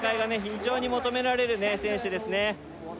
非常に求められるね選手ですね